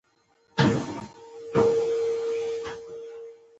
هغه د خپلې کورنۍ د غړو په وینو لاسونه سره نه کړل.